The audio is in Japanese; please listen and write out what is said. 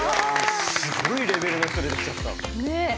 すごいレベルの人出てきちゃった。ね！